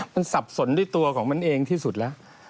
มันสับสนด้วยตัวของมันเองที่สุดแล้ว